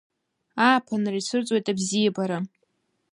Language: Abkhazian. Ааԥынра ицәырҵуеит абзиабара.